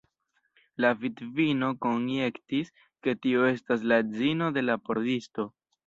La vidvino konjektis, ke tio estas la edzino de la pordisto.